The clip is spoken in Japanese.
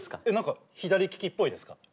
何か左利きっぽいですか？